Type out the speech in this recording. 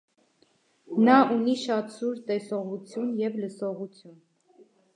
Նա ունի շատ սուր տեսողություն և լսողություն։